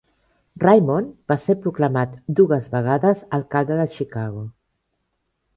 Raymond va ser proclamat dues vegades alcalde de Chicago.